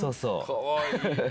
かわいい！